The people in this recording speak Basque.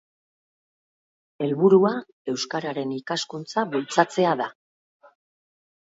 Helburua euskararen ikaskuntza bultzatzea da.